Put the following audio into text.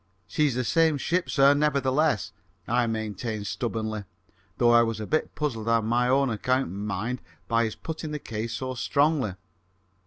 "She's the same ship, sir, nevertheless," I maintained stubbornly, though I was a bit puzzled on my own account, mind, by his putting the case so strongly.